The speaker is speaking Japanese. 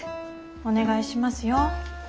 お願いしますよ。